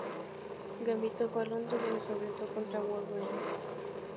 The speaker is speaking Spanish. Gambito fue a Londres, donde se enfrentó contra Wolverine.